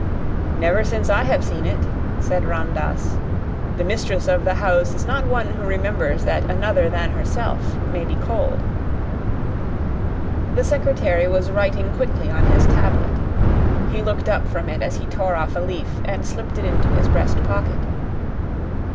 "Never since I have seen it," said Ram Dass. "The mistress of the house is not one who remembers that another than herself may be cold." The secretary was writing quickly on his tablet. He looked up from it as he tore off a leaf and slipped it into his breast pocket.